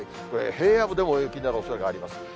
これ、平野部でも大雪になるおそれがあります。